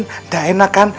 tidak enak kan